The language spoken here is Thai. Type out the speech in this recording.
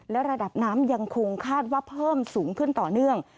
และระดับน้ำยังคงคาดว่าเพิ่มสูงขึ้นต่อเนื่อง